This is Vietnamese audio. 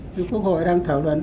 thế quốc hội đang thảo luận